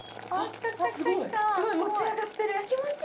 すごし持ち上がってる！